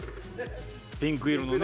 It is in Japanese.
ピンク色のね。